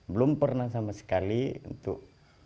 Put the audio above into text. belum pernah sama sekali untuk